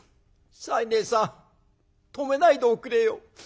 「西念さん止めないでおくれよ。